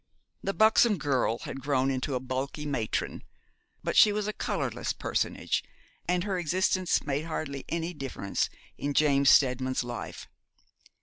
The buxom girl had grown into a bulky matron, but she was a colourless personage, and her existence made hardly any difference in James Steadman's life.